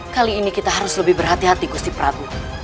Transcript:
kali ini kita harus lebih berhati hati kursi prabu